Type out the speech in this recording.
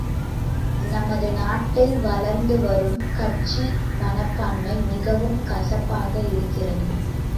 நமது நாட்டில் வளர்ந்து வரும் கட்சி மனப்பான்மை மிகவும் கசப்பாக இருக்கிறது.